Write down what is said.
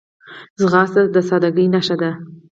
ځغاسته د سادګۍ نښه ده